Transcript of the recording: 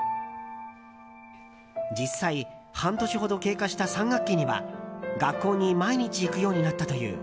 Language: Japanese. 実際、半年ほど経過した３学期には、学校に毎日行くようになったという。